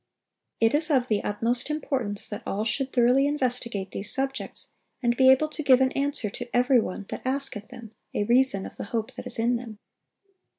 It is of the utmost importance that all should thoroughly investigate these subjects, and be able to give an answer to every one that asketh them a reason of the hope that is in them.